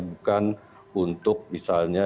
bukan untuk misalnya